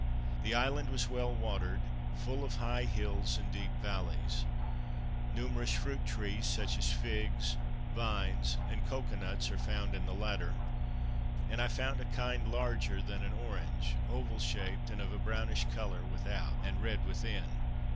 The island was well watered, full of high hills and deep vallies. Numerous fruit trees, such as figs, vines, and cocoa nuts are found in the latter; and I found a kind larger than an orange, oval shaped, of a brownish color without, and red within.